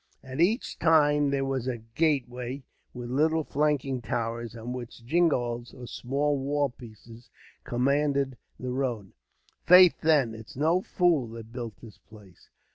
At each turn there was a gateway, with little flanking towers; on which jingalls, or small wall pieces, commanded the road. "Faith, then, it's no fool that built this place.